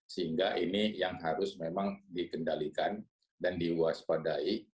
sehingga ini yang harus memang dikendalikan dan diwaspadai